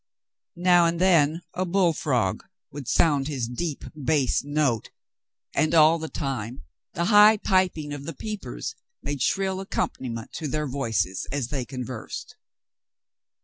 Now and then a bullfrog would sound his deep bass note, and all the time the high piping of the peepers made shrill accompaniment to their voices as they conversed.